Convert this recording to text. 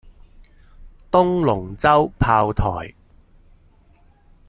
東龍洲炮台